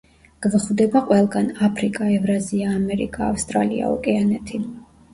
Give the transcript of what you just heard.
გვხვდება ყველგან: აფრიკა, ევრაზია, ამერიკა, ავსტრალია, ოკეანეთი.